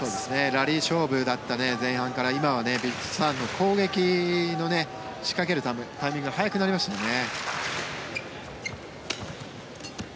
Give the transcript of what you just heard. ラリー勝負だった前半から今はヴィチットサーンの攻撃の仕掛けるタイミングが早くなりましたね。